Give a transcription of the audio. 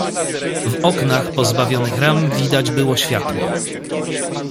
"W oknach pozbawionych ram widać było światło."